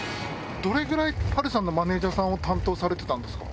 どれくらい波瑠さんのマネージャーさんを担当されてたんですか。